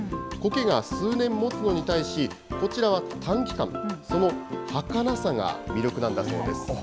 苔が数年もつのに対し、こちらは短期間、そのはかなさが魅力なんだそうです。